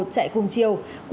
chạy cùng chiều